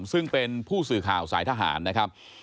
ซึ่งเป็นผู้สื่อข่าวสายทหารนะครับ